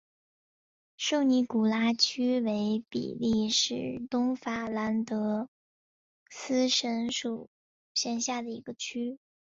圣尼古拉区为比利时东法兰德斯省辖下的一个区。